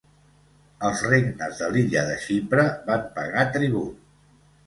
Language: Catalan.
Els regnes de l'illa de Xipre van pagar tribut.